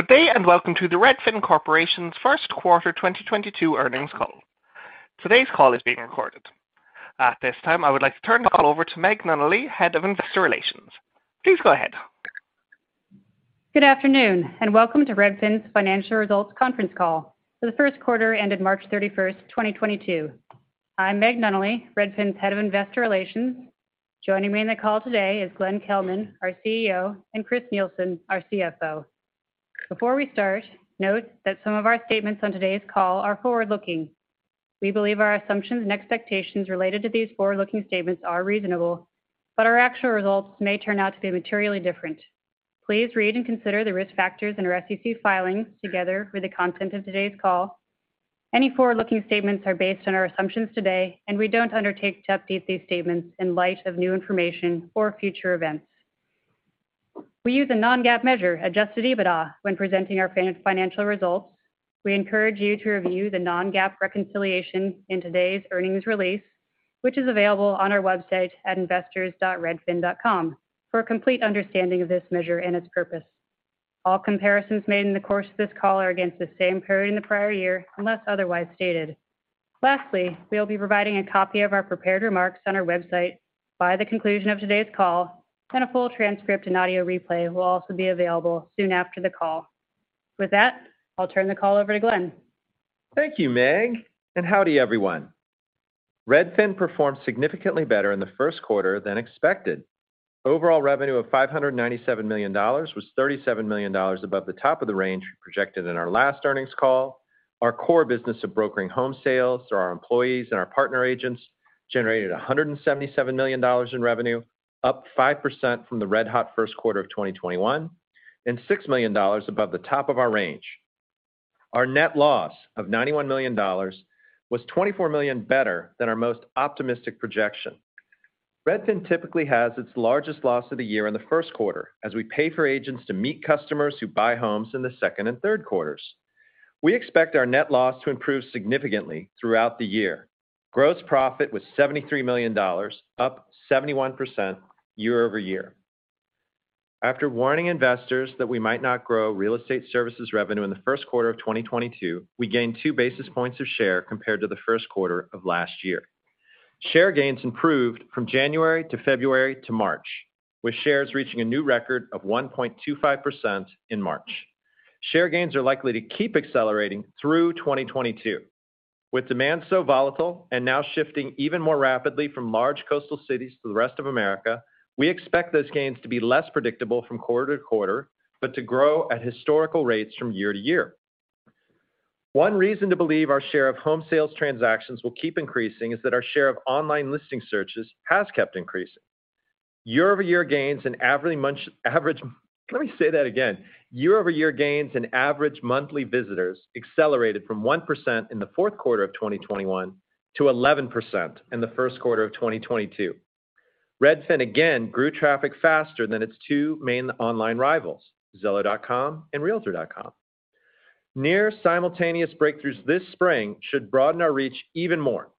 Good day, and welcome to the Redfin Corporation's first quarter 2022 earnings call. Today's call is being recorded. At this time, I would like to turn the call over to Meg Nunnally, Head of Investor Relations. Please go ahead. Good afternoon, and welcome to Redfin's financial results conference call for the first quarter ended March 31st, 2022. I'm Meg Nunnally, Redfin's Head of Investor Relations. Joining me on the call today is Glenn Kelman, our CEO, and Chris Nielsen, our CFO. Before we start, note that some of our statements on today's call are forward-looking. We believe our assumptions and expectations related to these forward-looking statements are reasonable, but our actual results may turn out to be materially different. Please read and consider the risk factors in our SEC filings together with the content of today's call. Any forward-looking statements are based on our assumptions today, and we don't undertake to update these statements in light of new information or future events. We use a non-GAAP measure, adjusted EBITDA, when presenting our financial results. We encourage you to review the non-GAAP reconciliation in today's earnings release, which is available on our website at investors.redfin.com for a complete understanding of this measure and its purpose. All comparisons made in the course of this call are against the same period in the prior year, unless otherwise stated. Lastly, we'll be providing a copy of our prepared remarks on our website by the conclusion of today's call, and a full transcript and audio replay will also be available soon after the call. With that, I'll turn the call over to Glenn. Thank you, Meg, and howdy everyone. Redfin performed significantly better in the first quarter than expected. Overall revenue of $597 million was $37 million above the top of the range we projected in our last earnings call. Our core business of brokering home sales through our employees and our partner agents generated $177 million in revenue, up 5% from the red-hot first quarter of 2021, and $6 million above the top of our range. Our net loss of $91 million was $24 million better than our most optimistic projection. Redfin typically has its largest loss of the year in the first quarter as we pay for agents to meet customers who buy homes in the second and third quarters. We expect our net loss to improve significantly throughout the year. Gross profit was $73 million, up 71% year-over-year. After warning investors that we might not grow real estate services revenue in the first quarter of 2022, we gained 2 basis points of share compared to the first quarter of last year. Share gains improved from January to February to March, with shares reaching a new record of 1.25% in March. Share gains are likely to keep accelerating through 2022. With demand so volatile and now shifting even more rapidly from large coastal cities to the rest of America, we expect those gains to be less predictable from quarter to quarter, but to grow at historical rates from year to year. One reason to believe our share of home sales transactions will keep increasing is that our share of online listing searches has kept increasing. Let me say that again. Year-over-year gains in average monthly visitors accelerated from 1% in the fourth quarter of 2021 to 11% in the first quarter of 2022. Redfin again grew traffic faster than its two main online rivals, Zillow.com and Realtor.com. Nearly simultaneous breakthroughs this spring should broaden our reach even more.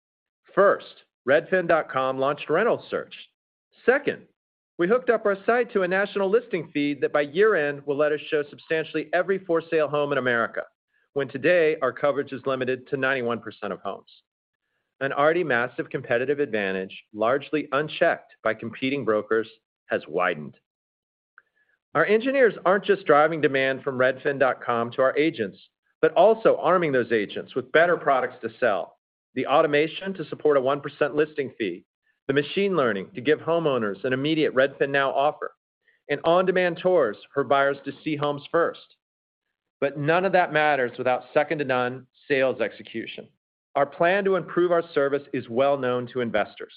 First, Redfin.com launched rental search. Second, we hooked up our site to a national listing feed that by year-end will let us show substantially every for-sale home in America, while today our coverage is limited to 91% of homes. An already massive competitive advantage, largely unchecked by competing brokers, has widened. Our engineers aren't just driving demand from Redfin.com to our agents, but also arming those agents with better products to sell, the automation to support a 1% listing fee, the machine learning to give homeowners an immediate RedfinNow offer, and on-demand tours for buyers to see homes first. None of that matters without second-to-none sales execution. Our plan to improve our service is well known to investors.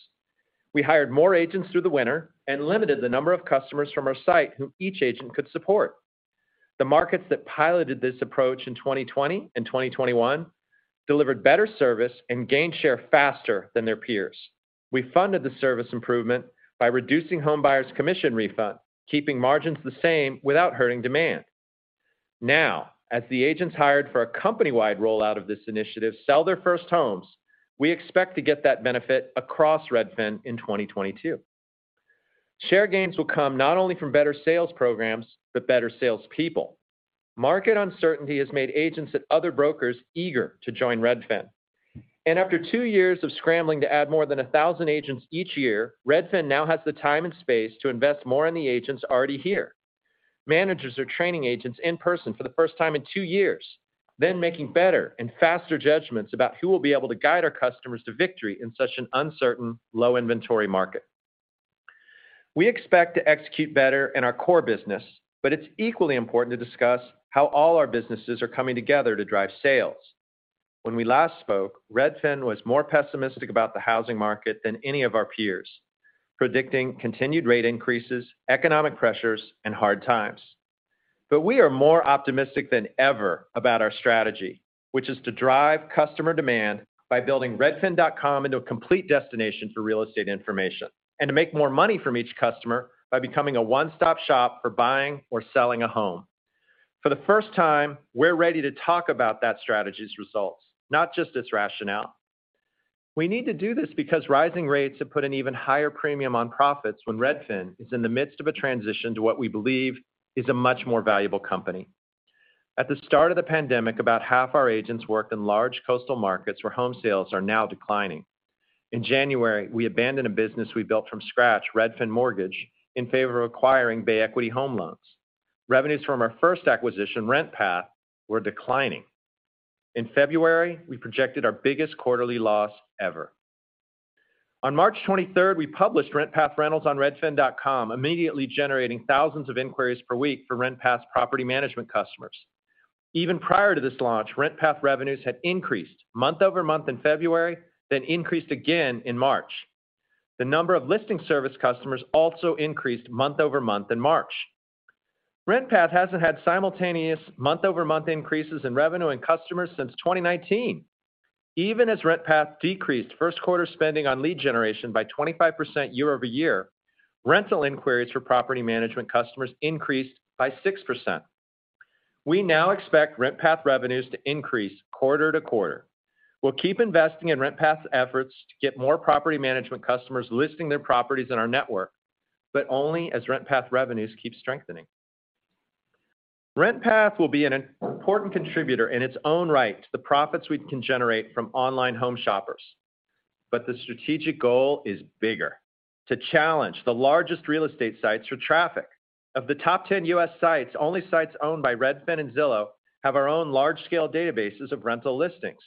We hired more agents through the winter and limited the number of customers from our site who each agent could support. The markets that piloted this approach in 2020 and 2021 delivered better service and gained share faster than their peers. We funded the service improvement by reducing home buyers' commission refund, keeping margins the same without hurting demand. Now, as the agents hired for a company-wide rollout of this initiative sell their first homes, we expect to get that benefit across Redfin in 2022. Share gains will come not only from better sales programs, but better salespeople. Market uncertainty has made agents at other brokers eager to join Redfin. After 2 years of scrambling to add more than 1,000 agents each year, Redfin now has the time and space to invest more in the agents already here. Managers are training agents in person for the first time in 2 years, then making better and faster judgments about who will be able to guide our customers to victory in such an uncertain low inventory market. We expect to execute better in our core business, but it's equally important to discuss how all our businesses are coming together to drive sales. When we last spoke, Redfin was more pessimistic about the housing market than any of our peers, predicting continued rate increases, economic pressures, and hard times. We are more optimistic than ever about our strategy, which is to drive customer demand by building Redfin.com into a complete destination for real estate information, and to make more money from each customer by becoming a one-stop shop for buying or selling a home. For the first time, we're ready to talk about that strategy's results, not just its rationale. We need to do this because rising rates have put an even higher premium on profits when Redfin is in the midst of a transition to what we believe is a much more valuable company. At the start of the pandemic, about half our agents worked in large coastal markets where home sales are now declining. In January, we abandoned a business we built from scratch, Redfin Mortgage, in favor of acquiring Bay Equity Home Loans. Revenues from our first acquisition, RentPath, were declining. In February, we projected our biggest quarterly loss ever. On March 23rd, we published RentPath rentals on Redfin.com, immediately generating thousands of inquiries per week for RentPath's property management customers. Even prior to this launch, RentPath revenues had increased month-over-month in February, then increased again in March. The number of listing service customers also increased month-over-month in March. RentPath hasn't had simultaneous month-over-month increases in revenue and customers since 2019. Even as RentPath decreased first quarter spending on lead generation by 25% year-over-year, rental inquiries for property management customers increased by 6%. We now expect RentPath revenues to increase quarter to quarter. We'll keep investing in RentPath's efforts to get more property management customers listing their properties in our network, but only as RentPath revenues keep strengthening. RentPath will be an important contributor in its own right to the profits we can generate from online home shoppers. The strategic goal is bigger, to challenge the largest real estate sites for traffic. Of the top 10 U.S. sites, only sites owned by Redfin and Zillow have our own large-scale databases of rental listings.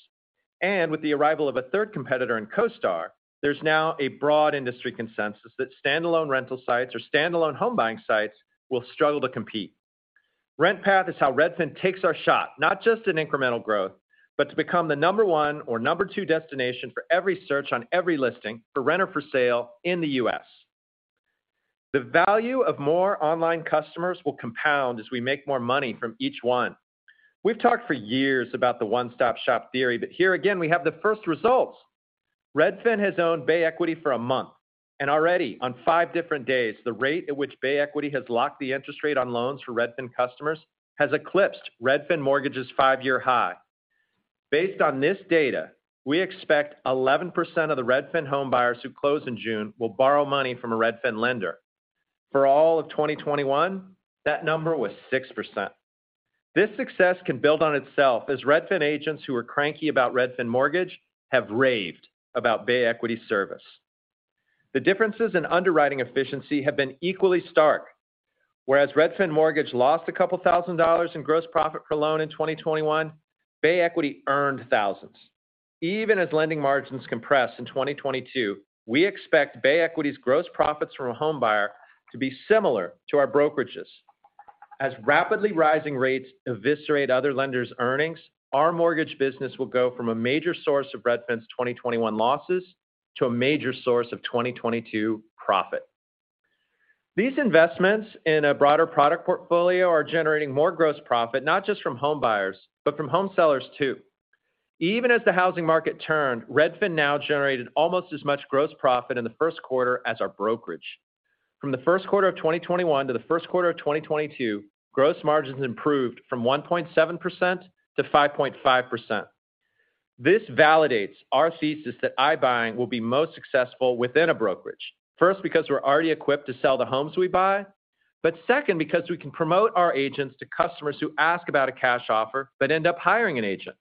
With the arrival of a third competitor in CoStar, there's now a broad industry consensus that standalone rental sites or standalone home buying sites will struggle to compete. RentPath is how Redfin takes our shot, not just in incremental growth, but to become the number one or number two destination for every search on every listing for rent or for sale in the U.S. The value of more online customers will compound as we make more money from each one. We've talked for years about the one-stop-shop theory, but here again, we have the first results. Redfin has owned Bay Equity for a month, and already on 5 different days, the rate at which Bay Equity has locked the interest rate on loans for Redfin customers has eclipsed Redfin Mortgage's 5-year high. Based on this data, we expect 11% of the Redfin home buyers who close in June will borrow money from a Redfin lender. For all of 2021, that number was 6%. This success can build on itself as Redfin agents who are cranky about Redfin Mortgage have raved about Bay Equity service. The differences in underwriting efficiency have been equally stark. Whereas Redfin Mortgage lost $2,000 in gross profit per loan in 2021, Bay Equity earned thousands. Even as lending margins compress in 2022, we expect Bay Equity's gross profits from a home buyer to be similar to our brokerages. As rapidly rising rates eviscerate other lenders' earnings, our mortgage business will go from a major source of Redfin's 2021 losses to a major source of 2022 profit. These investments in a broader product portfolio are generating more gross profit, not just from home buyers, but from home sellers too. Even as the housing market turned, RedfinNow generated almost as much gross profit in the first quarter as our brokerage. From the first quarter of 2021 to the first quarter of 2022, gross margins improved from 1.7% to 5.5%. This validates our thesis that iBuying will be most successful within a brokerage. First, because we're already equipped to sell the homes we buy. Second, because we can promote our agents to customers who ask about a cash offer but end up hiring an agent.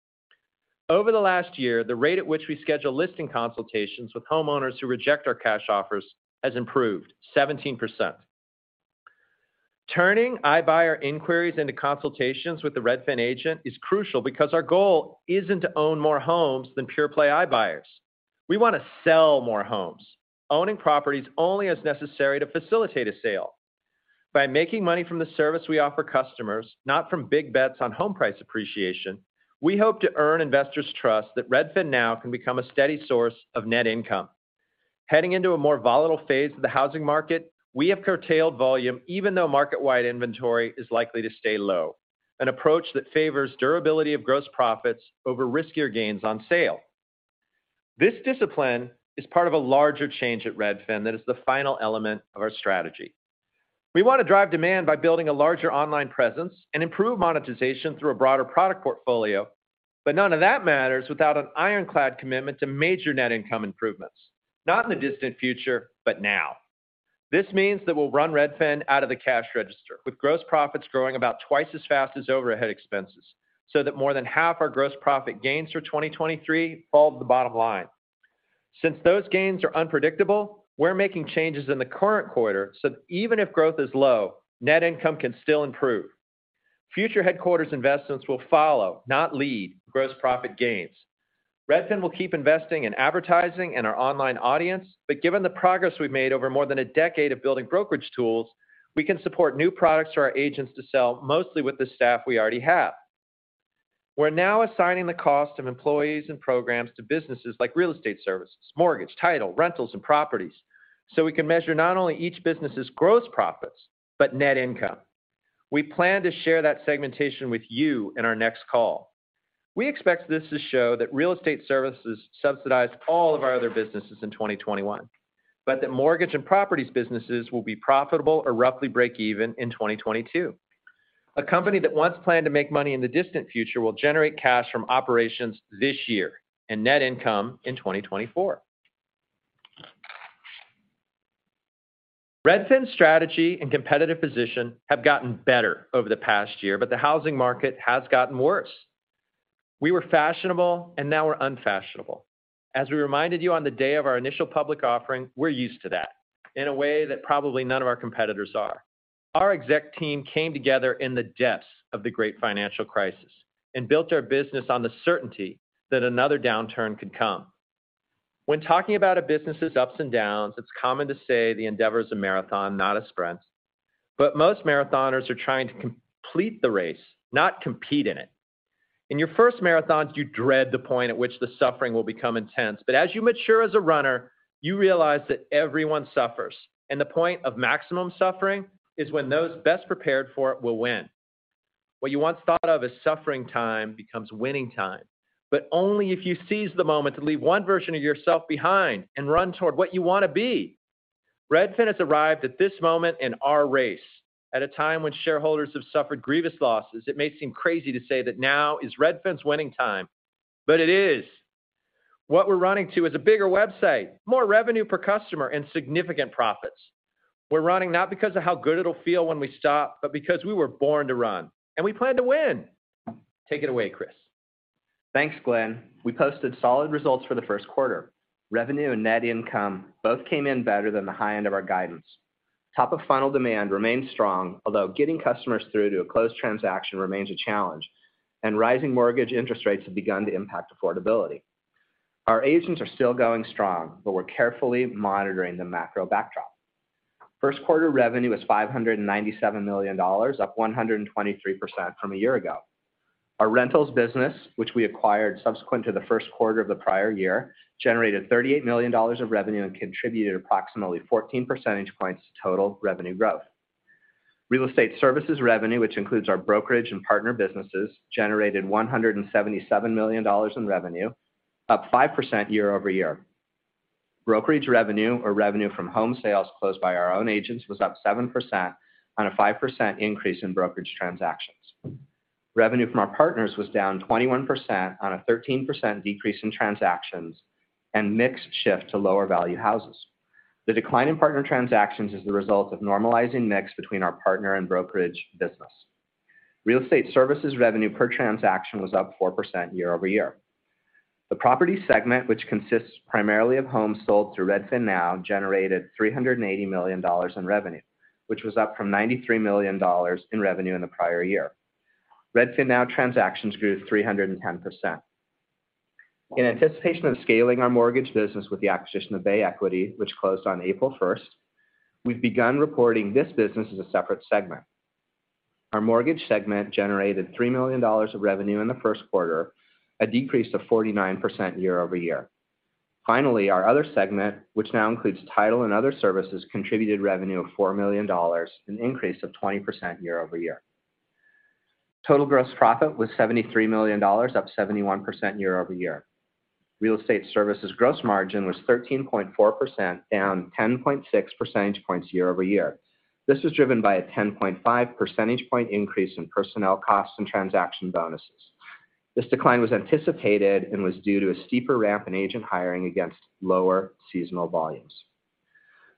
Over the last year, the rate at which we schedule listing consultations with homeowners who reject our cash offers has improved 17%. Turning iBuyer inquiries into consultations with the Redfin agent is crucial because our goal isn't to own more homes than pure-play iBuyers. We want to sell more homes, owning properties only as necessary to facilitate a sale. By making money from the service we offer customers, not from big bets on home price appreciation, we hope to earn investors' trust that RedfinNow can become a steady source of net income. Heading into a more volatile phase of the housing market, we have curtailed volume even though market-wide inventory is likely to stay low, an approach that favors durability of gross profits over riskier gains on sale. This discipline is part of a larger change at Redfin that is the final element of our strategy. We want to drive demand by building a larger online presence and improve monetization through a broader product portfolio, but none of that matters without an ironclad commitment to major net income improvements, not in the distant future, but now. This means that we'll run Redfin out of the cash register with gross profits growing about twice as fast as overhead expenses so that more than half our gross profit gains for 2023 fall to the bottom line. Since those gains are unpredictable, we're making changes in the current quarter so that even if growth is low, net income can still improve. Future headquarters investments will follow, not lead, gross profit gains. Redfin will keep investing in advertising and our online audience, but given the progress we've made over more than a decade of building brokerage tools, we can support new products for our agents to sell mostly with the staff we already have. We're now assigning the cost of employees and programs to businesses like real estate services, mortgage, title, rentals, and properties, so we can measure not only each business's gross profits, but net income. We plan to share that segmentation with you in our next call. We expect this to show that real estate services subsidized all of our other businesses in 2021, but that mortgage and properties businesses will be profitable or roughly break even in 2022. A company that once planned to make money in the distant future will generate cash from operations this year and net income in 2024. Redfin's strategy and competitive position have gotten better over the past year, but the housing market has gotten worse. We were fashionable, and now we're unfashionable. As we reminded you on the day of our initial public offering, we're used to that in a way that probably none of our competitors are. Our exec team came together in the depths of the great financial crisis and built our business on the certainty that another downturn could come. When talking about a business's ups and downs, it's common to say the endeavor is a marathon, not a sprint. Most marathoners are trying to complete the race, not compete in it. In your first marathons, you dread the point at which the suffering will become intense. As you mature as a runner, you realize that everyone suffers, and the point of maximum suffering is when those best prepared for it will win. What you once thought of as suffering time becomes winning time, but only if you seize the moment to leave one version of yourself behind and run toward what you want to be. Redfin has arrived at this moment in our race. At a time when shareholders have suffered grievous losses, it may seem crazy to say that now is Redfin's winning time, but it is. What we're running to is a bigger website, more revenue per customer, and significant profits. We're running not because of how good it'll feel when we stop, but because we were born to run, and we plan to win. Take it away, Chris. Thanks, Glenn. We posted solid results for the first quarter. Revenue and net income both came in better than the high end of our guidance. Top-of-funnel demand remains strong, although getting customers through to a closed transaction remains a challenge, and rising mortgage interest rates have begun to impact affordability. Our agents are still going strong, but we're carefully monitoring the macro backdrop. First quarter revenue was $597 million, up 123% from a year ago. Our rentals business, which we acquired subsequent to the first quarter of the prior year, generated $38 million of revenue and contributed approximately 14 percentage points to total revenue growth. Real estate services revenue, which includes our brokerage and partner businesses, generated $177 million in revenue, up 5% year-over-year. Brokerage revenue, or revenue from home sales closed by our own agents, was up 7% on a 5% increase in brokerage transactions. Revenue from our partners was down 21% on a 13% decrease in transactions and mix shift to lower-value houses. The decline in partner transactions is the result of normalizing mix between our partner and brokerage business. Real estate services revenue per transaction was up 4% year-over-year. The property segment, which consists primarily of homes sold through RedfinNow, generated $380 million in revenue, which was up from $93 million in revenue in the prior year. RedfinNow transactions grew 310%. In anticipation of scaling our mortgage business with the acquisition of Bay Equity, which closed on April 1st, we've begun reporting this business as a separate segment. Our mortgage segment generated $3 million of revenue in the first quarter, a decrease of 49% year-over-year. Finally, our other segment, which now includes title and other services, contributed revenue of $4 million, an increase of 20% year-over-year. Total gross profit was $73 million, up 71% year-over-year. Real estate services gross margin was 13.4%, down 10.6 percentage points year-over-year. This was driven by a 10.5 percentage point increase in personnel costs and transaction bonuses. This decline was anticipated and was due to a steeper ramp in agent hiring against lower seasonal volumes.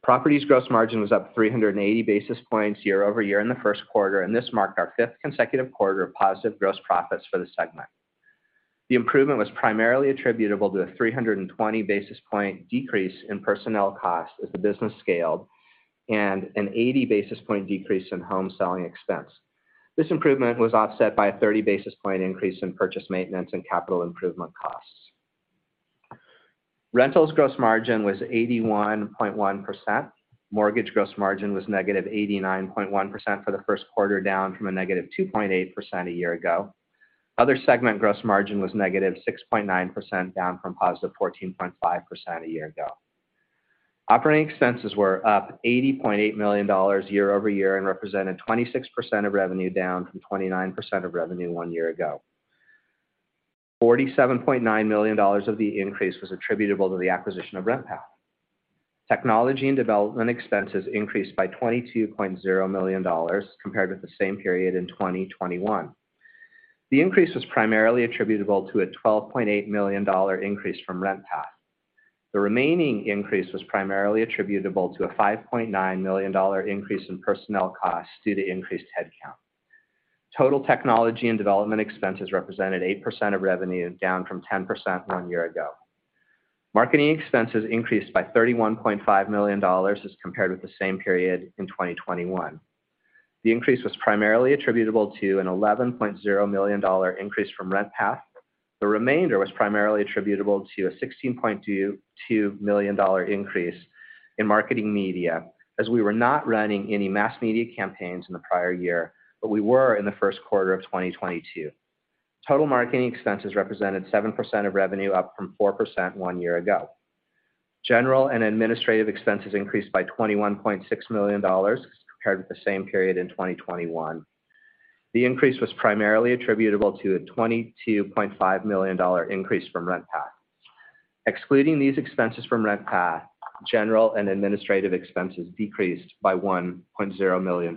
Properties gross margin was up 380 basis points year-over-year in the first quarter, and this marked our fifth consecutive quarter of positive gross profits for the segment. The improvement was primarily attributable to a 320 basis point decrease in personnel costs as the business scaled and an 80 basis point decrease in home-selling expense. This improvement was offset by a 30 basis point increase in purchase maintenance and capital improvement costs. Rentals gross margin was 81.1%. Mortgage gross margin was -89.1% for the first quarter, down from -2.8% a year ago. Other segment gross margin was -6.9%, down from +14.5% a year ago. Operating expenses were up $80.8 million year-over-year and represented 26% of revenue, down from 29% of revenue 1 year ago. $47.9 million of the increase was attributable to the acquisition of RentPath. Technology and development expenses increased by $22.0 million compared with the same period in 2021. The increase was primarily attributable to a $12.8 million increase from RentPath. The remaining increase was primarily attributable to a $5.9 million increase in personnel costs due to increased headcount. Total technology and development expenses represented 8% of revenue, down from 10% 1 year ago. Marketing expenses increased by $31.5 million as compared with the same period in 2021. The increase was primarily attributable to an $11.0 million increase from RentPath. The remainder was primarily attributable to a $16.22 million increase in marketing media, as we were not running any mass media campaigns in the prior year, but we were in the first quarter of 2022. Total marketing expenses represented 7% of revenue, up from 4% 1 year ago. General and administrative expenses increased by $21.6 million compared with the same period in 2021. The increase was primarily attributable to a $22.5 million increase from RentPath. Excluding these expenses from RentPath, general and administrative expenses decreased by $1.0 million.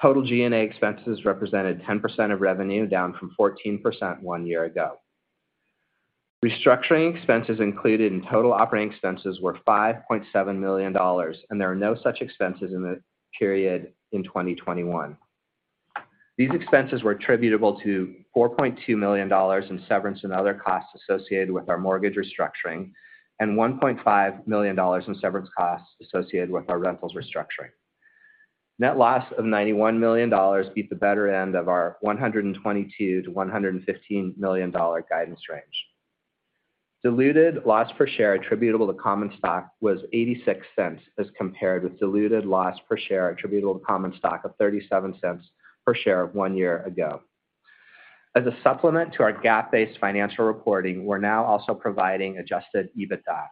Total G&A expenses represented 10% of revenue, down from 14% 1 year ago. Restructuring expenses included in total operating expenses were $5.7 million, and there are no such expenses in the period in 2021. These expenses were attributable to $4.2 million in severance and other costs associated with our mortgage restructuring and $1.5 million in severance costs associated with our rentals restructuring. Net loss of $91 million beat the better end of our $122 million-$115 million guidance range. Diluted loss per share attributable to common stock was $0.86, as compared with diluted loss per share attributable to common stock of $0.37 per share 1 year ago. As a supplement to our GAAP-based financial reporting, we're now also providing adjusted EBITDA,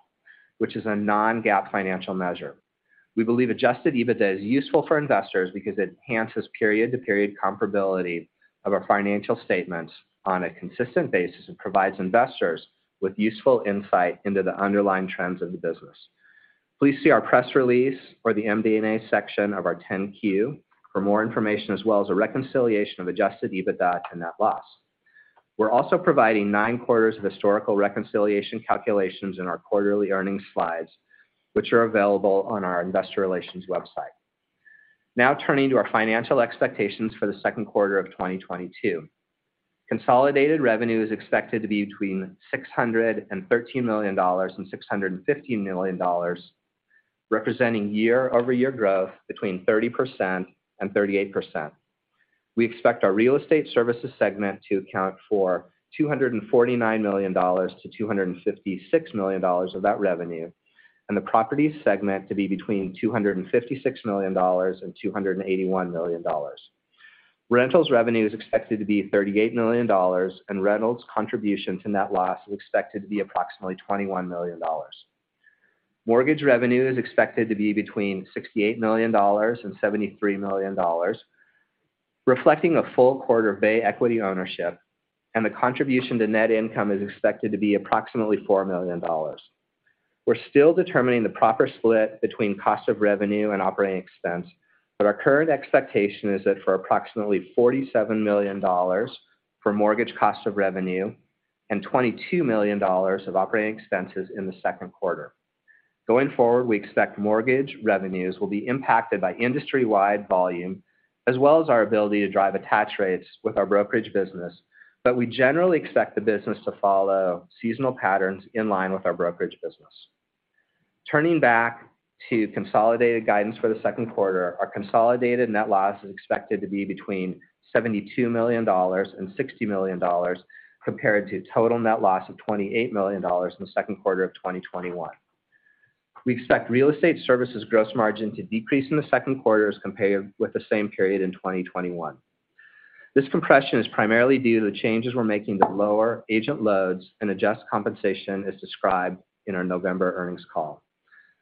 which is a non-GAAP financial measure. We believe adjusted EBITDA is useful for investors because it enhances period-to-period comparability of our financial statements on a consistent basis and provides investors with useful insight into the underlying trends of the business. Please see our press release or the MD&A section of our 10-Q for more information, as well as a reconciliation of adjusted EBITDA to net loss. We're also providing nine quarters of historical reconciliation calculations in our quarterly earnings slides, which are available on our investor relations website. Now turning to our financial expectations for the second quarter of 2022. Consolidated revenue is expected to be between $613 million and $615 million, representing year-over-year growth between 30% and 38%. We expect our real estate services segment to account for $249 million-$256 million of that revenue, and the properties segment to be between $256 million-$281 million. Rentals revenue is expected to be $38 million, and rentals contribution to net loss is expected to be approximately $21 million. Mortgage revenue is expected to be between $68 million and $73 million, reflecting a full quarter of Bay Equity ownership, and the contribution to net income is expected to be approximately $4 million. We're still determining the proper split between cost of revenue and operating expense, but our current expectation is that for approximately $47 million for mortgage cost of revenue and $22 million of operating expenses in the second quarter. Going forward, we expect mortgage revenues will be impacted by industry-wide volume, as well as our ability to drive attach rates with our brokerage business. We generally expect the business to follow seasonal patterns in line with our brokerage business. Turning back to consolidated guidance for the second quarter, our consolidated net loss is expected to be between $72 million and $60 million, compared to total net loss of $28 million in the second quarter of 2021. We expect real estate services gross margin to decrease in the second quarter as compared with the same period in 2021. This compression is primarily due to the changes we're making to lower agent loads and adjust compensation, as described in our November earnings call.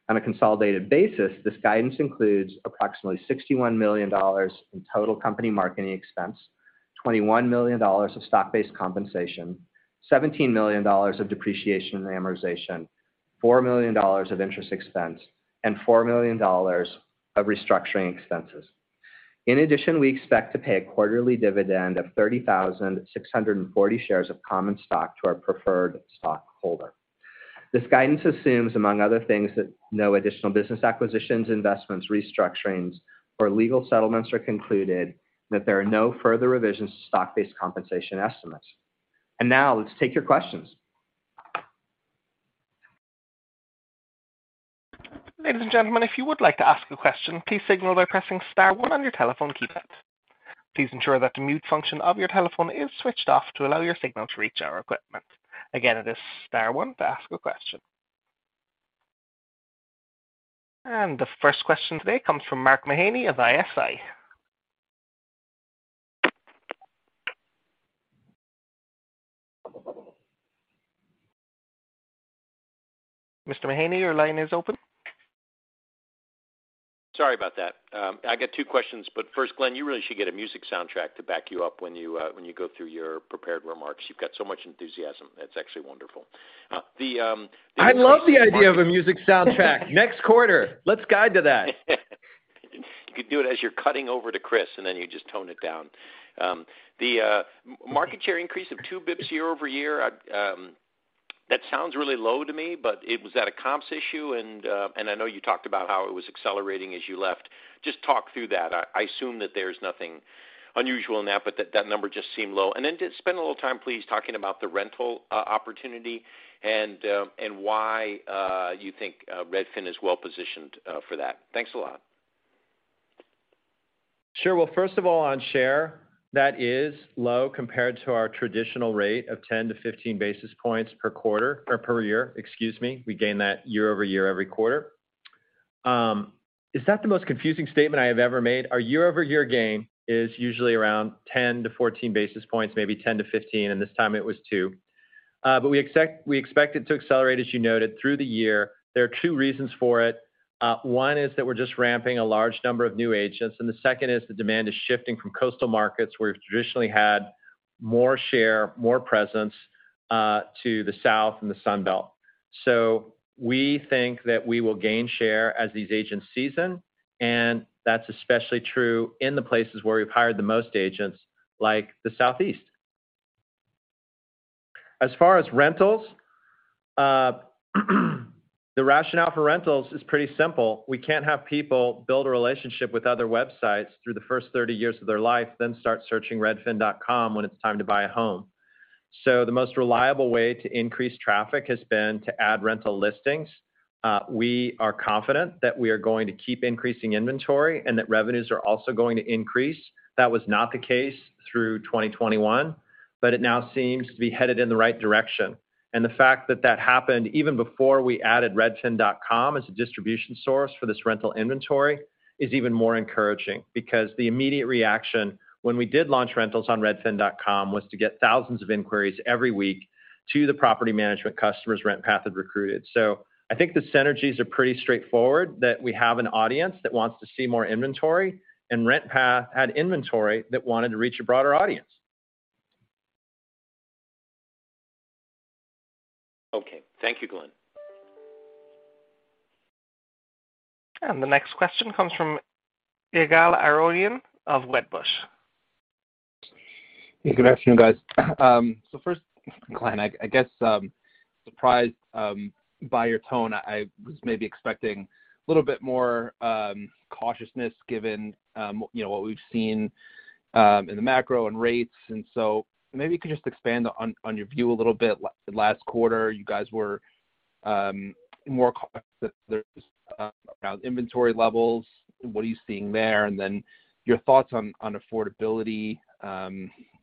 On a consolidated basis, this guidance includes approximately $61 million in total company marketing expense, $21 million of stock-based compensation, $17 million of depreciation and amortization, $4 million of interest expense, and $4 million of restructuring expenses. In addition, we expect to pay a quarterly dividend of 30,600 shares of common stock to our preferred stockholder. This guidance assumes, among other things, that no additional business acquisitions, investments, restructurings, or legal settlements are concluded, and that there are no further revisions to stock-based compensation estimates. Now, let's take your questions. Ladies and gentlemen, if you would like to ask a question, please signal by pressing star one on your telephone keypad. Please ensure that the mute function of your telephone is switched off to allow your signal to reach our equipment. Again, it is star one to ask a question. The first question today comes from Mark Mahaney of ISI. Mr. Mahaney, your line is open. Sorry about that. I got two questions, but first, Glenn, you really should get a music soundtrack to back you up when you go through your prepared remarks. You've got so much enthusiasm. It's actually wonderful. I love the idea of a music soundtrack. Next quarter, let's guide to that. You could do it as you're cutting over to Chris, and then you just tone it down. The market share increase of 2 basis points year-over-year, that sounds really low to me, but was that a comps issue? I know you talked about how it was accelerating as you left. Just talk through that. I assume that there's nothing unusual in that, but that number just seemed low. Just spend a little time, please, talking about the rental opportunity and why you think Redfin is well-positioned for that. Thanks a lot. Sure. Well, first of all, on share, that is low compared to our traditional rate of 10-15 basis points per quarter or per year, excuse me. We gain that year-over-year every quarter. Is that the most confusing statement I have ever made? Our year-over-year gain is usually around 10-14 basis points, maybe 10-15, and this time it was 2. But we expect it to accelerate, as you noted, through the year. There are two reasons for it. One is that we're just ramping a large number of new agents, and the second is the demand is shifting from coastal markets where we've traditionally had more share, more presence, to the South and the Sun Belt. We think that we will gain share as these agents season, and that's especially true in the places where we've hired the most agents, like the Southeast. As far as rentals, the rationale for rentals is pretty simple. We can't have people build a relationship with other websites through the first 30 years of their life, then start searching Redfin.com when it's time to buy a home. The most reliable way to increase traffic has been to add rental listings. We are confident that we are going to keep increasing inventory and that revenues are also going to increase. That was not the case through 2021, but it now seems to be headed in the right direction. The fact that that happened even before we added Redfin.com as a distribution source for this rental inventory is even more encouraging because the immediate reaction when we did launch rentals on Redfin.com was to get thousands of inquiries every week to the property management customers RentPath had recruited. I think the synergies are pretty straightforward, that we have an audience that wants to see more inventory, and RentPath had inventory that wanted to reach a broader audience. Okay. Thank you, Glenn. The next question comes from Ygal Arounian of Wedbush. Good afternoon, guys. First, Glenn, I guess surprised by your tone. I was maybe expecting a little bit more cautiousness given you know what we've seen in the macro and rates. Maybe you could just expand on your view a little bit. Last quarter, you guys were more cautious about inventory levels. What are you seeing there? Then your thoughts on affordability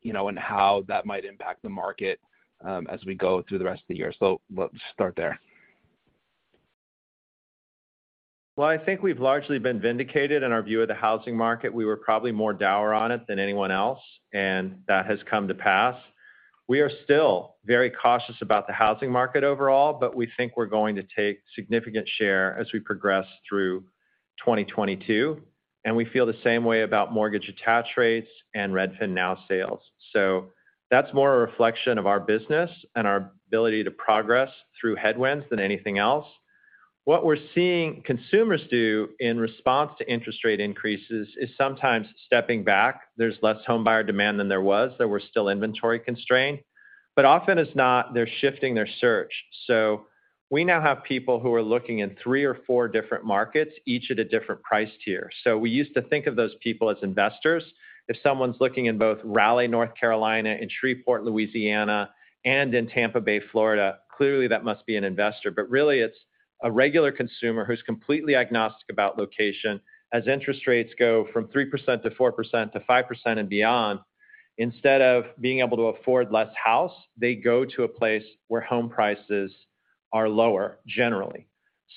you know and how that might impact the market as we go through the rest of the year. Let's start there. Well, I think we've largely been vindicated in our view of the housing market. We were probably more dour on it than anyone else, and that has come to pass. We are still very cautious about the housing market overall, but we think we're going to take significant share as we progress through 2022, and we feel the same way about mortgage attach rates and RedfinNow sales. That's more a reflection of our business and our ability to progress through headwinds than anything else. What we're seeing consumers do in response to interest rate increases is sometimes stepping back. There's less homebuyer demand than there was, though we're still inventory-constrained. Often as not, they're shifting their search. We now have people who are looking in three or four different markets, each at a different price tier. We used to think of those people as investors. If someone's looking in both Raleigh, North Carolina and Shreveport, Louisiana, and in Tampa Bay, Florida, clearly that must be an investor. Really it's a regular consumer who's completely agnostic about location. As interest rates go from 3% to 4% to 5% and beyond, instead of being able to afford less house, they go to a place where home prices are lower generally.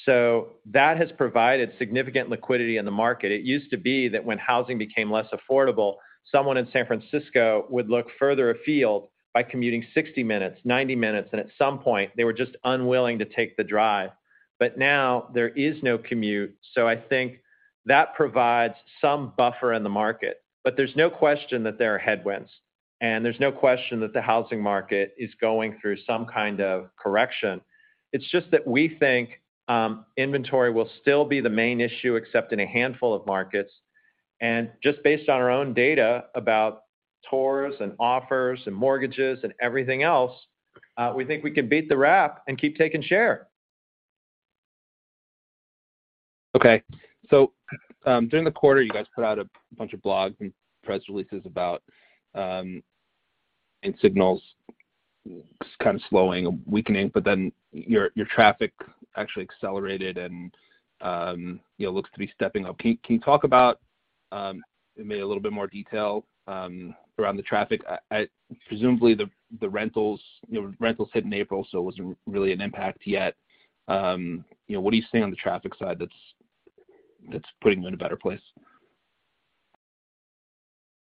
That has provided significant liquidity in the market. It used to be that when housing became less affordable, someone in San Francisco would look further afield by commuting 60 minutes, 90 minutes, and at some point they were just unwilling to take the drive. Now there is no commute, so I think that provides some buffer in the market. There's no question that there are headwinds, and there's no question that the housing market is going through some kind of correction. It's just that we think inventory will still be the main issue, except in a handful of markets. Just based on our own data about tours and offers and mortgages and everything else, we think we can beat the rap and keep taking share. Okay. During the quarter, you guys put out a bunch of blogs and press releases about incoming signals kind of slowing, weakening, but then your traffic actually accelerated and, you know, looks to be stepping up. Can you talk about maybe a little bit more detail around the traffic? Presumably the rentals, you know, rentals hit in April, so it wasn't really an impact yet. You know, what do you see on the traffic side that's putting you in a better place?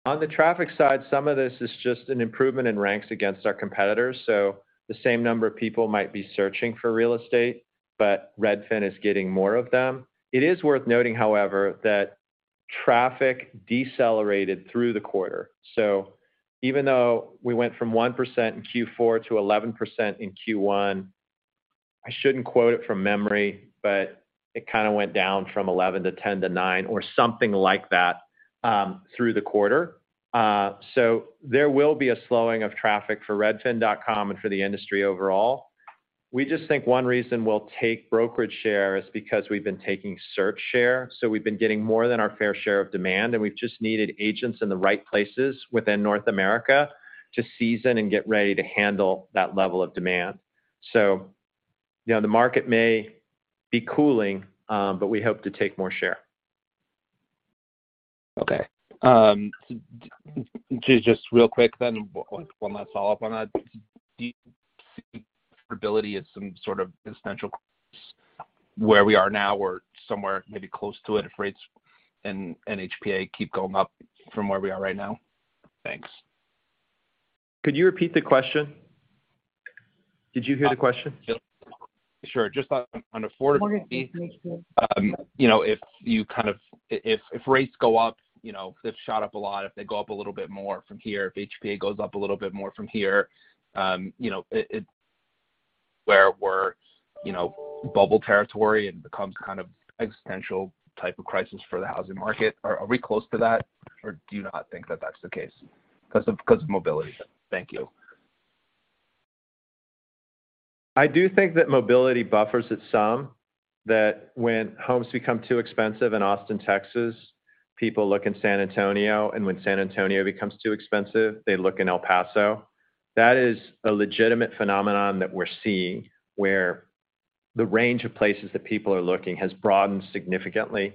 On the traffic side, some of this is just an improvement in ranks against our competitors. The same number of people might be searching for real estate, but Redfin is getting more of them. It is worth noting, however, that traffic decelerated through the quarter. Even though we went from 1% in Q4 to 11% in Q1, I shouldn't quote it from memory, but it kinda went down from 11% to 10% to 9% or something like that through the quarter. There will be a slowing of traffic for Redfin.com and for the industry overall. We just think one reason we'll take brokerage share is because we've been taking search share. We've been getting more than our fair share of demand, and we've just needed agents in the right places within North America to season and get ready to handle that level of demand. You know, the market may be cooling, but we hope to take more share. Okay. Just real quick then, one last follow-up on that. Do you see stability as some sort of essential where we are now or somewhere maybe close to it if rates and HPA keep going up from where we are right now? Thanks. Could you repeat the question? Did you hear the question? Sure. Just on affordability. You know, if you kind of if rates go up, you know, they've shot up a lot. If they go up a little bit more from here, if HPA goes up a little bit more from here, you know, where we're, you know, bubble territory and becomes kind of existential type of crisis for the housing market. Are we close to that? Or do you not think that that's the case because of mobility? Thank you. I do think that mobility buffers it some, that when homes become too expensive in Austin, Texas, people look in San Antonio, and when San Antonio becomes too expensive, they look in El Paso. That is a legitimate phenomenon that we're seeing, where the range of places that people are looking has broadened significantly.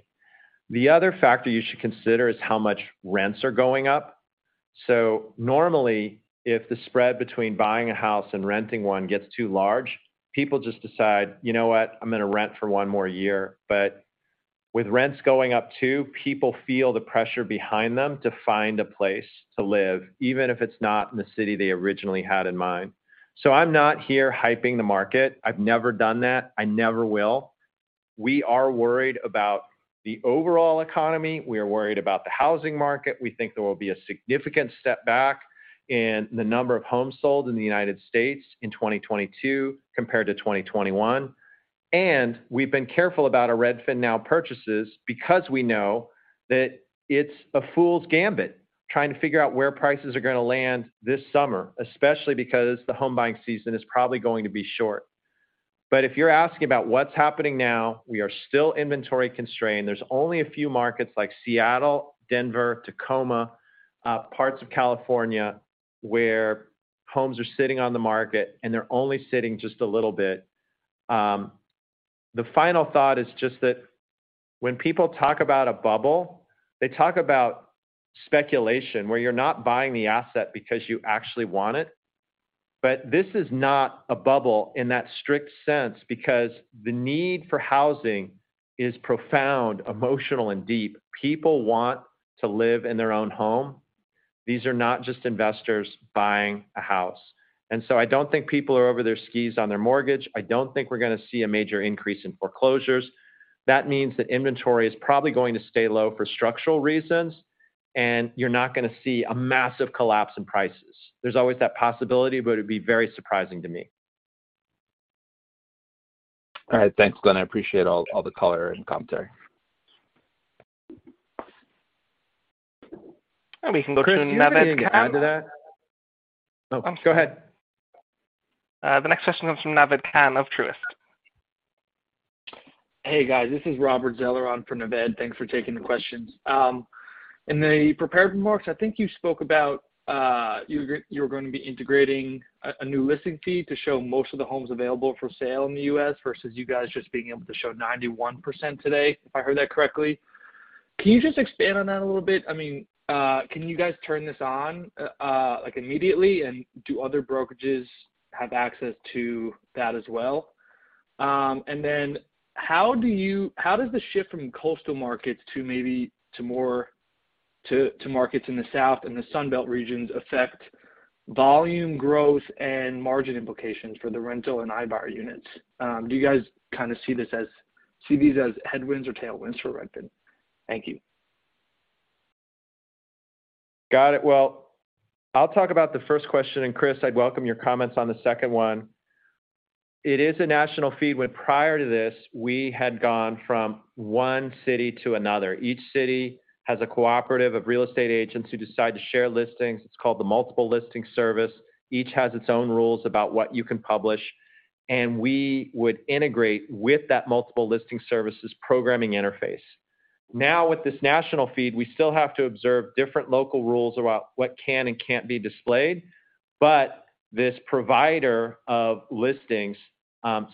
The other factor you should consider is how much rents are going up. Normally, if the spread between buying a house and renting one gets too large, people just decide, "You know what? I'm gonna rent for one more year." With rents going up, too, people feel the pressure behind them to find a place to live, even if it's not in the city they originally had in mind. I'm not here hyping the market. I've never done that, I never will. We are worried about the overall economy. We are worried about the housing market. We think there will be a significant setback in the number of homes sold in the United States in 2022 compared to 2021. We've been careful about our RedfinNow purchases because we know that it's a fool's gambit trying to figure out where prices are gonna land this summer, especially because the home buying season is probably going to be short. If you're asking about what's happening now, we are still inventory constrained. There's only a few markets like Seattle, Denver, Tacoma, parts of California, where homes are sitting on the market, and they're only sitting just a little bit. The final thought is just that when people talk about a bubble, they talk about speculation, where you're not buying the asset because you actually want it. This is not a bubble in that strict sense, because the need for housing is profound, emotional, and deep. People want to live in their own home. These are not just investors buying a house. I don't think people are over their skis on their mortgage. I don't think we're gonna see a major increase in foreclosures. That means that inventory is probably going to stay low for structural reasons, and you're not gonna see a massive collapse in prices. There's always that possibility, but it'd be very surprising to me. All right. Thanks, Glenn. I appreciate all the color and commentary. We can go to Naved Khan. Chris, do you have anything to add to that? Oh, go ahead. The next question comes from Naved Khan of Truist. Hey, guys. This is Robert Zeller on for Naved. Thanks for taking the questions. In the prepared remarks, I think you spoke about you were gonna be integrating a new listing feed to show most of the homes available for sale in the U.S. versus you guys just being able to show 91% today, if I heard that correctly. Can you just expand on that a little bit? I mean, can you guys turn this on like immediately, and do other brokerages have access to that as well? And then how does the shift from coastal markets to markets in the South and the Sun Belt regions affect volume growth and margin implications for the rental and iBuyer units? Do you guys kinda see these as headwinds or tailwinds for Redfin? Thank you. Got it. Well, I'll talk about the first question, and Chris, I'd welcome your comments on the second one. It is a national feed, when prior to this we had gone from one city to another. Each city has a cooperative of real estate agents who decide to share listings. It's called the multiple listing service. Each has its own rules about what you can publish, and we would integrate with that multiple listing service's programming interface. Now, with this national feed, we still have to observe different local rules about what can and can't be displayed. This provider of listings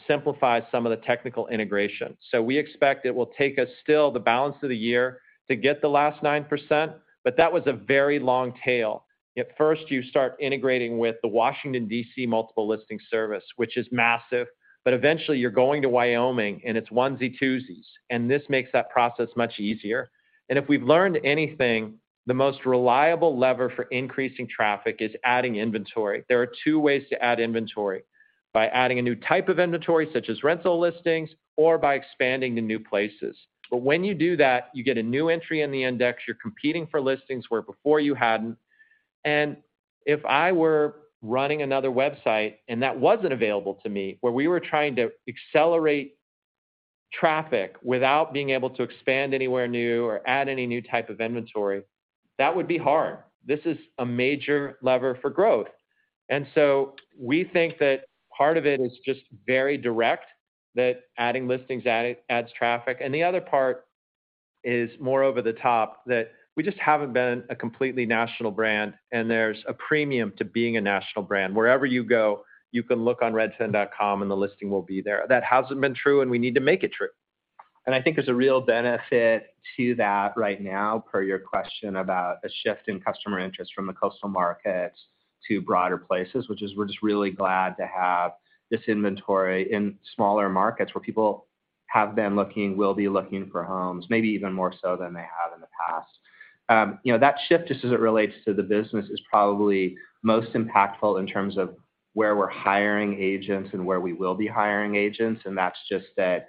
simplifies some of the technical integration. We expect it will take us still the balance of the year to get the last 9%, but that was a very long tail. At first, you start integrating with the Washington D.C. multiple listing service, which is massive, but eventually you're going to Wyoming, and it's onesie-twosies, and this makes that process much easier. If we've learned anything, the most reliable lever for increasing traffic is adding inventory. There are two ways to add inventory, by adding a new type of inventory, such as rental listings, or by expanding to new places. When you do that, you get a new entry in the index, you're competing for listings where before you hadn't. If I were running another website and that wasn't available to me, where we were trying to accelerate traffic without being able to expand anywhere new or add any new type of inventory, that would be hard. This is a major lever for growth. We think that part of it is just very direct, that adding listings adds traffic. The other part is more over the top, that we just haven't been a completely national brand, and there's a premium to being a national brand. Wherever you go, you can look on Redfin.com, and the listing will be there. That hasn't been true, and we need to make it true. I think there's a real benefit to that right now, per your question about a shift in customer interest from the coastal markets to broader places, which is we're just really glad to have this inventory in smaller markets where people have been looking, will be looking for homes, maybe even more so than they have in the past. You know, that shift just as it relates to the business is probably most impactful in terms of where we're hiring agents and where we will be hiring agents, and that's just that,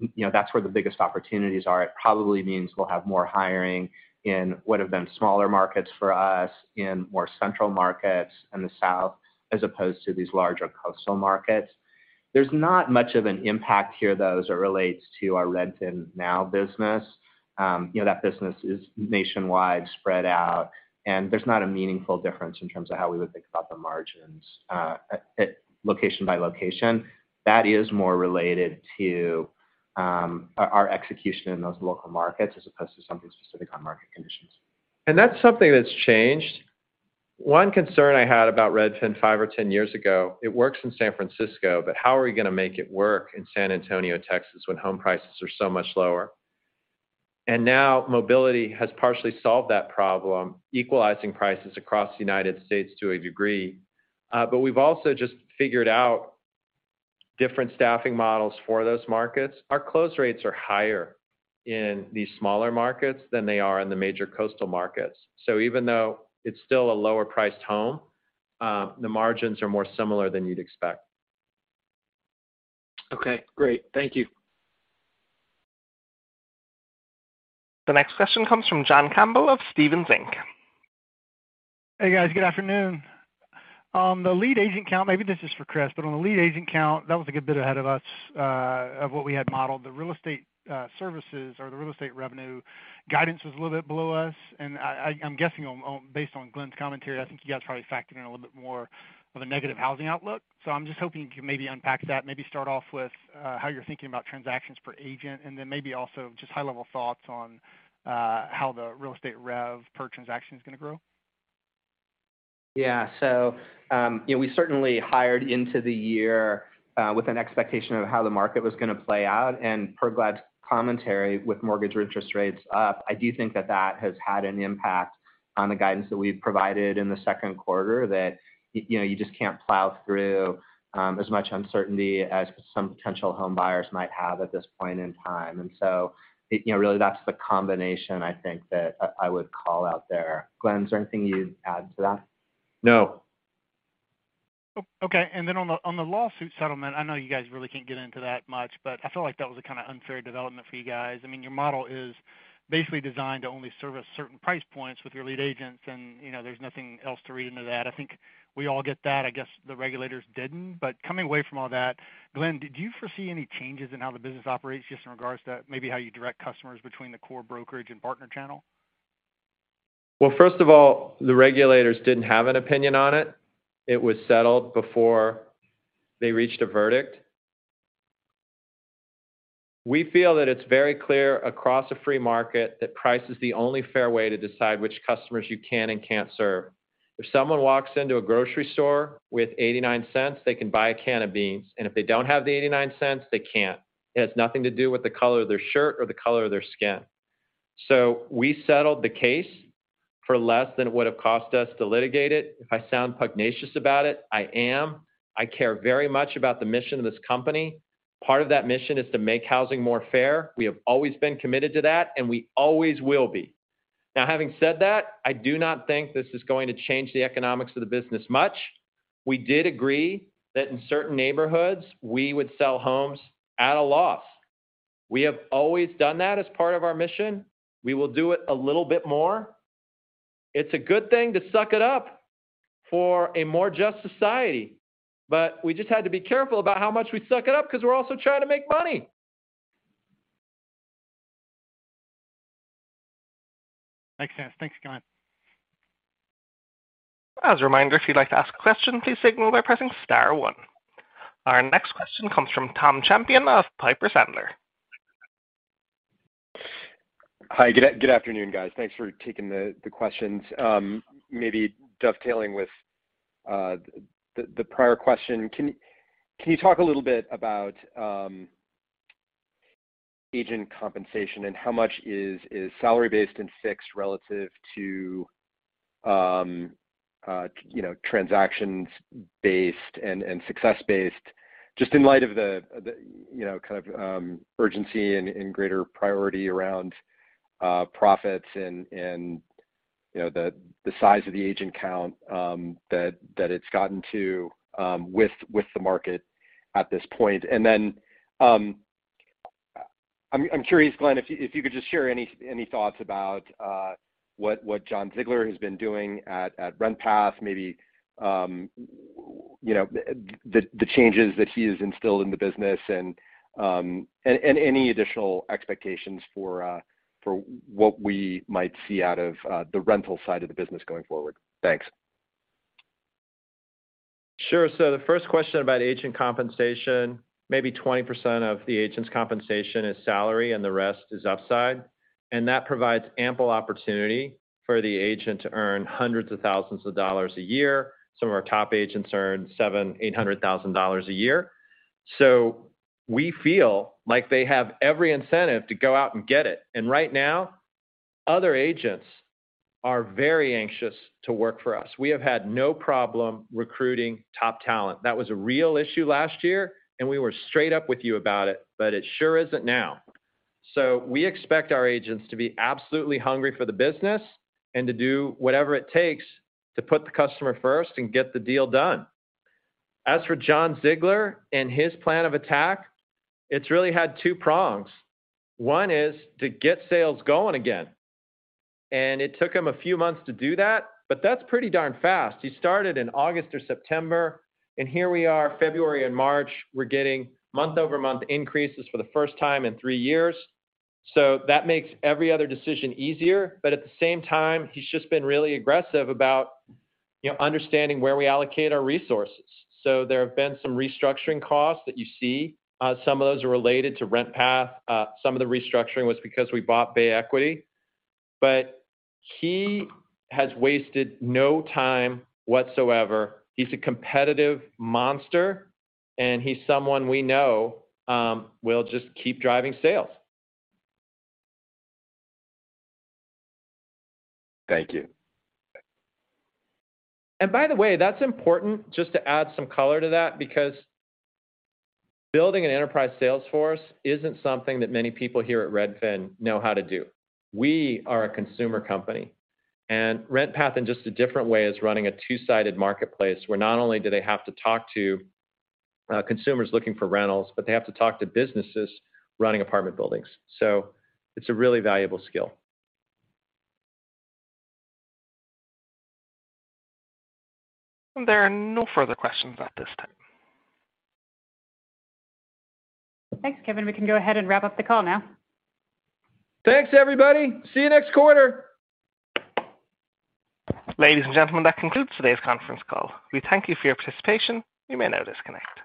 you know, that's where the biggest opportunities are. It probably means we'll have more hiring in what have been smaller markets for us, in more central markets in the South, as opposed to these larger coastal markets. There's not much of an impact here, though, as it relates to our RedfinNow business. You know, that business is nationwide, spread out, and there's not a meaningful difference in terms of how we would think about the margins at location by location. That is more related to our execution in those local markets as opposed to something specific on market conditions. That's something that's changed. One concern I had about Redfin 5 or 10 years ago, it works in San Francisco, but how are you gonna make it work in San Antonio, Texas, when home prices are so much lower? Now mobility has partially solved that problem, equalizing prices across the United States to a degree. We've also just figured out different staffing models for those markets. Our close rates are higher in these smaller markets than they are in the major coastal markets. Even though it's still a lower priced home, the margins are more similar than you'd expect. Okay, great. Thank you. The next question comes from John Campbell of Stephens Inc. Hey, guys. Good afternoon. The lead agent count, maybe this is for Chris, but on the lead agent count, that was a good bit ahead of us, of what we had modeled. The real estate services or the real estate revenue guidance was a little bit below us, and I'm guessing. Based on Glenn's commentary, I think you guys probably factored in a little bit more of a negative housing outlook. I'm just hoping you can maybe unpack that. Maybe start off with how you're thinking about transactions per agent, and then maybe also just high-level thoughts on how the real estate rev per transaction is gonna grow. Yeah. You know, we certainly hired into the year with an expectation of how the market was gonna play out. Per Glenn's commentary with mortgage interest rates up, I do think that has had an impact on the guidance that we've provided in the second quarter, that you know you just can't plow through as much uncertainty as some potential homebuyers might have at this point in time. You know, really that's the combination I think that I would call out there. Glenn, is there anything you'd add to that? No. Okay. Then on the lawsuit settlement, I know you guys really can't get into that much, but I feel like that was a kinda unfair development for you guys. I mean, your model is basically designed to only service certain price points with your lead agents and, you know, there's nothing else to read into that. I think we all get that. I guess the regulators didn't. Coming away from all that, Glenn, did you foresee any changes in how the business operates just in regards to maybe how you direct customers between the core brokerage and partner channel? Well, first of all, the regulators didn't have an opinion on it. It was settled before they reached a verdict. We feel that it's very clear across a free market that price is the only fair way to decide which customers you can and can't serve. If someone walks into a grocery store with $0.89, they can buy a can of beans, and if they don't have the $0.89, they can't. It has nothing to do with the color of their shirt or the color of their skin. So we settled the case for less than it would've cost us to litigate it. If I sound pugnacious about it, I am. I care very much about the mission of this company. Part of that mission is to make housing more fair. We have always been committed to that, and we always will be. Now having said that, I do not think this is going to change the economics of the business much. We did agree that in certain neighborhoods we would sell homes at a loss. We have always done that as part of our mission. We will do it a little bit more. It's a good thing to suck it up for a more just society. We just had to be careful about how much we suck it up 'cause we're also trying to make money. Makes sense. Thanks, Glenn. As a reminder, if you'd like to ask a question, please signal by pressing star one. Our next question comes from Tom Champion of Piper Sandler. Hi. Good afternoon, guys. Thanks for taking the questions. Maybe dovetailing with the prior question, can you talk a little bit about agent compensation and how much is salary-based and fixed relative to you know, transactions-based and success-based, just in light of the you know, kind of, urgency and greater priority around profits and you know, the size of the agent count that it's gotten to with the market at this point? I'm curious, Glenn, if you could just share any thoughts about what Jon Ziglar has been doing at RentPath, maybe, you know, the changes that he has instilled in the business and any additional expectations for what we might see out of the rental side of the business going forward. Thanks. Sure. The first question about agent compensation, maybe 20% of the agent's compensation is salary and the rest is upside, and that provides ample opportunity for the agent to earn hundreds of thousands of dollars a year. Some of our top agents earn $700,000-$800,000 a year. We feel like they have every incentive to go out and get it. Right now other agents are very anxious to work for us. We have had no problem recruiting top talent. That was a real issue last year, and we were straight up with you about it, but it sure isn't now. We expect our agents to be absolutely hungry for the business and to do whatever it takes to put the customer first and get the deal done. As for Jon Ziglar and his plan of attack, it's really had two prongs. One is to get sales going again, and it took him a few months to do that, but that's pretty darn fast. He started in August or September, and here we are, February and March, we're getting month-over-month increases for the first time in 3 years. That makes every other decision easier. At the same time, he's just been really aggressive about, you know, understanding where we allocate our resources. There have been some restructuring costs that you see. Some of those are related to RentPath. Some of the restructuring was because we bought Bay Equity. He has wasted no time whatsoever. He's a competitive monster, and he's someone we know, will just keep driving sales. Thank you. By the way, that's important just to add some color to that because building an enterprise sales force isn't something that many people here at Redfin know how to do. We are a consumer company, and RentPath, in just a different way, is running a two-sided marketplace where not only do they have to talk to consumers looking for rentals, but they have to talk to businesses running apartment buildings. It's a really valuable skill. There are no further questions at this time. Thanks, Kevin. We can go ahead and wrap up the call now. Thanks, everybody. See you next quarter. Ladies and gentlemen, that concludes today's conference call. We thank you for your participation. You may now disconnect.